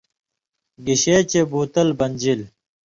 گِشے چے بُو تَل بنژِل